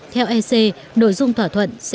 theo ec nội dung thỏa thuận sẽ được xem